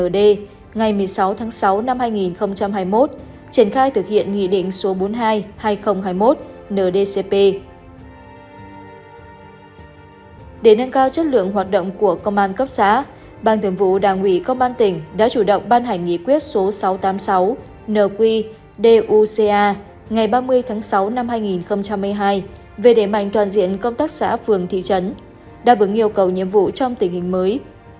để nâng cao chất lượng hoạt động của công an cấp xã bang thường vụ đảng ủy công an tỉnh đã chủ động ban hành nghị quyết số sáu trăm tám mươi sáu nq duca ngày ba mươi tháng sáu năm hai nghìn một mươi hai về đề mạnh toàn diện công tác xã phường thị trấn đáp ứng yêu cầu nhiệm vụ trong tình hình mới